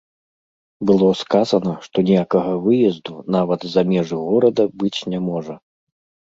Было сказана, што ніякага выезду нават за межы горада быць не можа.